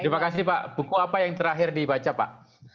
terima kasih pak buku apa yang terakhir dibaca pak